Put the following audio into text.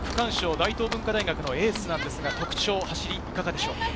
大東文化大学のエースですが特徴や走り、いかがですか？